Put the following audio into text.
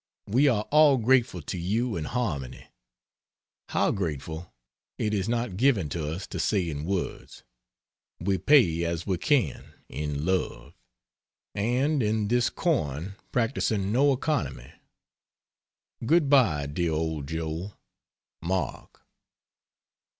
We are all grateful to you and Harmony how grateful it is not given to us to say in words. We pay as we can, in love; and in this coin practicing no economy. Good bye, dear old Joe! MARK.